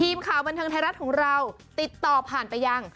ทีมข่าวบันเทิงไทยรัฐของเราติดต่อผ่านไปยัง